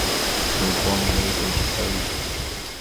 He was born in Weybridge, Surrey.